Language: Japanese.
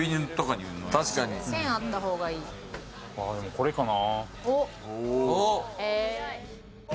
これかな。